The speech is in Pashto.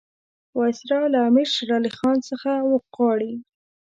وایسرا له امیر شېر علي خان څخه غواړي.